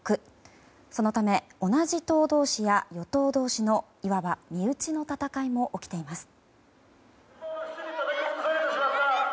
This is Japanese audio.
そのため、同じ党同士や与党同士のいわば身内の戦いも起きています。